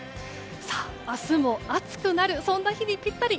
明日も暑くなるそんな日にピッタリ。